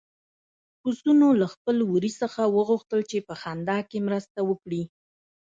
پسونو له خپل وري څخه وغوښتل چې په خندا کې مرسته وکړي.